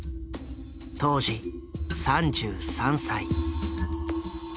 当時３３歳。